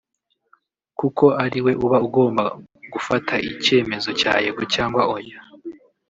kuko ari we uba ugomba gufata icyemezo cya Yego cyangwa Oya